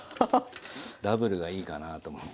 ダブルがいいかなと思って。